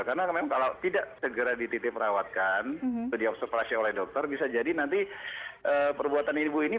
karena memang kalau tidak segera dititip rawatkan dioksiprasi oleh dokter bisa jadi nanti perbuatan ibu ini